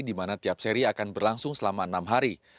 di mana tiap seri akan berlangsung selama enam hari